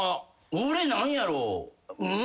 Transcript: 俺何やろう？